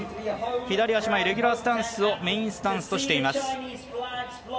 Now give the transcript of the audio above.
左足前レギュラースタンスをメインスタンスとしています。